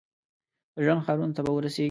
د ژوند ښارونو ته به ورسیږي ؟